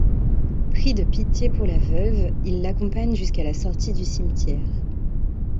Pris de pitié pour la veuve, il l'accompagne jusqu'à la sortie du cimetière.